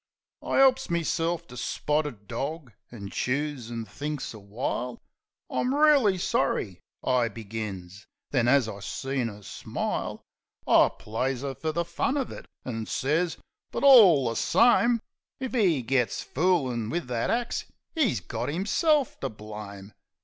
I 'elps meself to spotted dog, an' chews, an' thinks a while. "I'm reely sorry," I begins. Then, as I seen 'er smile, I plays 'er fer the fun uv it, an' sez, "But, all the same, If he gits foolin' wiv that axe 'e's got 'imself to blame."